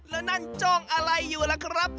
แล้วนั่นจ้องอะไรอยู่ล่ะครับ